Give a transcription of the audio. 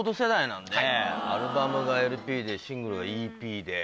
アルバムがＬＰでシングルがＥＰで。